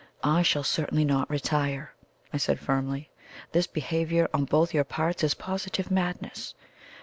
"I shall certainly not retire," I said firmly. "This behaviour on both your parts is positive madness.